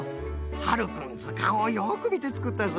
ハルくんずかんをよくみてつくったそうじゃ。